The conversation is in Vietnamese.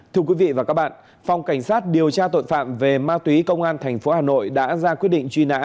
thưa quý vị và các bạn phòng cảnh sát điều tra tội phạm về ma túy công an tp hà nội đã ra quyết định truy nã